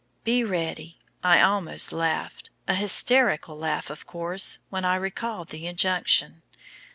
Be ready! I almost laughed, a hysterical laugh, of course, when I recalled the injunction.